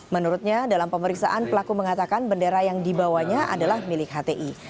menurutnya dalam pemeriksaan pelaku mengatakan bendera yang dibawanya adalah milik hti